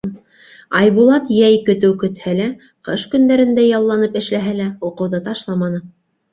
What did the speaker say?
Айбулат йәй көтөү көтһә лә, ҡыш көндәрендә ялланып эшләһә лә, уҡыуҙы ташламаны.